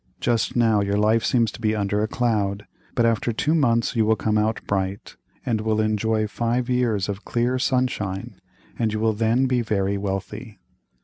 Just now your life seems to be under a cloud, but after two months you will come out bright and will enjoy five years of clear sunshine, and you will then be very wealthy.